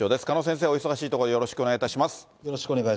鹿野先生、お忙しいところ、よろしくお願いいたします。